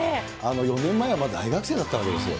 ４年前はまだ大学生だったわけですよ。